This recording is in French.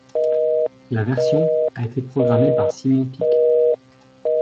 La version a été programmée par Simon Pick.